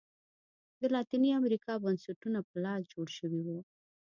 د لاتینې امریکا بنسټونه په لاس جوړ شوي وو.